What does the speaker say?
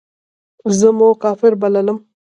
زه مو کافر بللم.